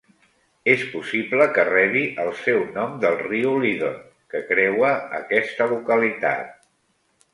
És possible que rebi el seu nom del riu Leadon, que creua aquesta localitat.